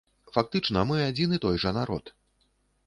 Фактычна мы адзін і той жа народ.